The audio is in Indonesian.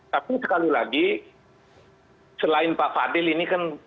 tapi sekali lagi selain pak fadil ini kan